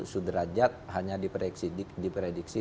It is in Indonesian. sudrajat hanya diprediksi